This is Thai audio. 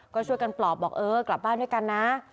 ก็ช่วยกันปลอบบอกเออกลับบ้านด้วยกันนะ